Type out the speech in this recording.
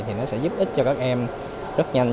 thì nó sẽ giúp ích cho các em rất nhanh